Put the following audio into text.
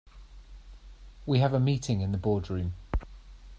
We have a meeting in the boardroom.